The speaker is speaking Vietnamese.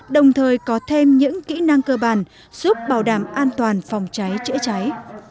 đồng thời có thêm những kỹ năng cơ bản giúp bảo đảm an toàn phòng cháy chữa cháy